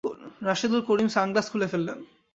Rashedul Karim sunglass খুলে ফেললেন।